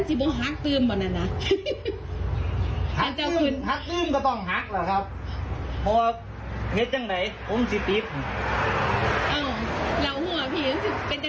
จ้าต้องรับผิดชอบไอ้พี่ได้หรือล่ะพ่อนี้